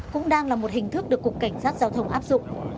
cũng đang là một hình thức được cục cảnh sát giao thông áp dụng